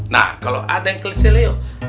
nah kalau ada yang kelih kelih yuk